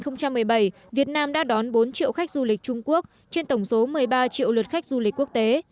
năm hai nghìn một mươi bảy việt nam đã đón bốn triệu khách du lịch trung quốc trên tổng số một mươi ba triệu lượt khách du lịch quốc tế